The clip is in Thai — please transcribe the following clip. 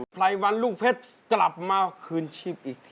ไรวันลูกเพชรกลับมาคืนชีพอีกที